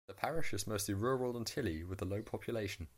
The parish is mostly rural and hilly with a low population.